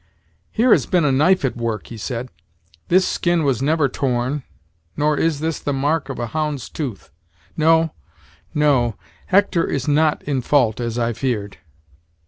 "Here has been a knife at work," he said; "this skin was never torn, nor is this the mark of a hound's tooth. No, no Hector is not in fault, as I feared."